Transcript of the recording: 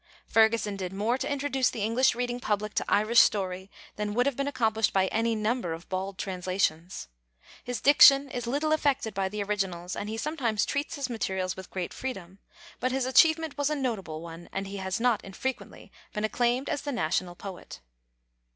Ferguson did more to introduce the English reading public to Irish story than would have been accomplished by any number of bald translations. His diction is little affected by the originals, and he sometimes treats his materials with great freedom, but his achievement was a notable one, and he has not infrequently been acclaimed as the national poet.